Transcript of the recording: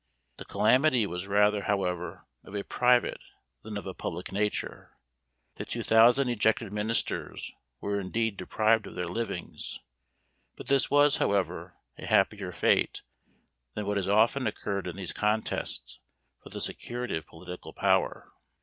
The calamity was rather, however, of a private than of a public nature. The two thousand ejected ministers were indeed deprived of their livings; but this was, however, a happier fate than what has often occurred in these contests for the security of political power.